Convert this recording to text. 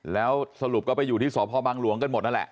แล้วสรุปก็ไปอยู่ที่สพบังหลวงกันหมดนั่นแหละ